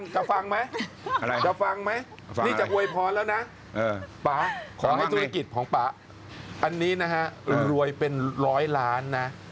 จะฟังไหมจะฟังไหมคอยพอแล้วนะมาขอด้วยกิจของปะอันนี้นะฮะรวยเป็นร้อยล้านนะ